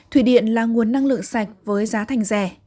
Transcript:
thủy điện là nguồn năng lượng sạch với giá thành rẻ